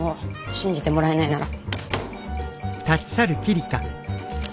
信じてもらえないなら。